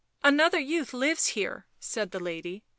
" Another youth lives here," said the lady.